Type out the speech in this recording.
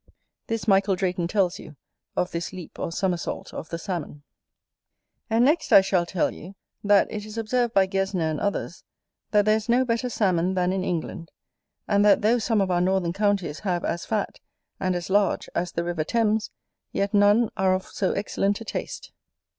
This Michael Drayton tells you, of this leap or summersault of the Salmon. And, next, I shall tell you, that it is observed by Gesner and others, that there is no better Salmon than in England; and that though some of our northern counties have as fat, and as large, as the river Thames, yet none are of so excellent a taste.